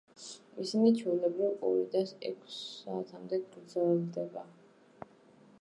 ისინი, ჩვეულებრივ, ორიდან ექვს საათამდე გრძელდება.